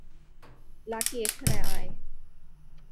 Lucky, এখানে আয়।